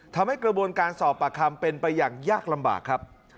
ทำให้กระบวนการสอบปากคำเป็นไปอย่างยากลำบากครับ